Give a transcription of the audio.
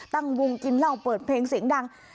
ตั้งวงกินเหล้าเปิดเพลงเสียงดัง